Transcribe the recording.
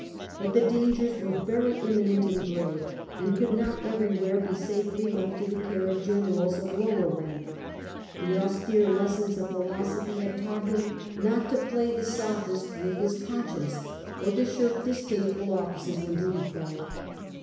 But the dangers were very imminent and grave, and could not everywhere be safely left to the care of generals of lower rank The austere lessons of philosophy had taught him not to play the sophist with his con science, or to shirk distasteful offices when duty called.